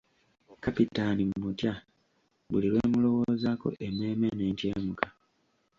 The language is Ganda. Kapitaani mmutya, buli lwe mmulowoozaako emmeeme n'entyemuka.